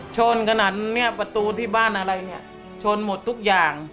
ชนขนาดนี้ประตูที่บ้านอะไรเนี่ยชนหมดทุกอย่าง